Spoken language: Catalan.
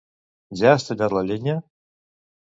Ja has tallat la llenya?